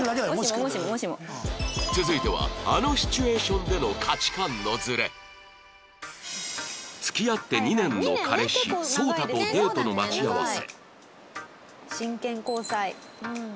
続いてはあのシチュエーションでの価値観のズレ付き合って２年の彼氏ソウタとデートの待ち合わせ